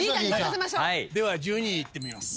では１２いってみます。